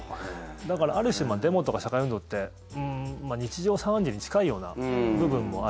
だから、ある種デモとか社会運動って日常茶飯事に近いような部分もある。